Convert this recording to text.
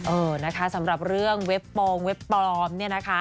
เออนะคะสำหรับเรื่องเว็บโปรงเว็บปลอมเนี่ยนะคะ